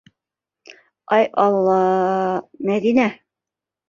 Ай алла-а-а, Мәҙинә.